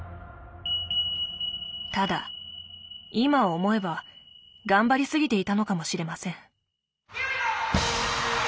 ただ今思えば頑張りすぎていたのかもしれません。